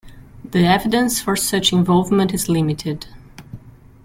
The evidence for such involvement is limited.